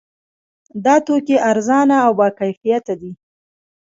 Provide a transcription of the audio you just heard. دا توکي ارزانه او باکیفیته دي.